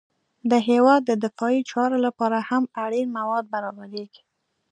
د هېواد د دفاعي چارو لپاره هم اړین مواد برابریږي